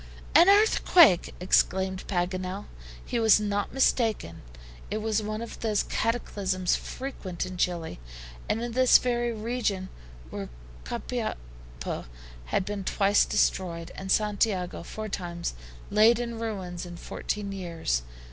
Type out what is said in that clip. "An earthquake!" exclaimed Paganel. He was not mistaken. It was one of those cataclysms frequent in Chili, and in this very region where Copiapo had been twice destroyed, and Santiago four times laid in ruins in fourteen years.